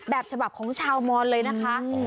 แบบฉบับของชาวมอนเลยนะคะ